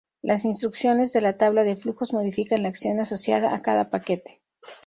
Las instrucciones de la tabla de flujos modifican la acción asociada a cada paquete.